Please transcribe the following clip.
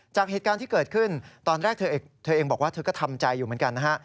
จากเหตุการณ์ที่เกิดขึ้นตอนแรกเธอเองบอกว่าเธอก็ทำใจอยู่เหมือนกันนะฮะ